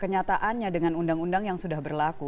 kenyataannya dengan undang undang yang sudah berlaku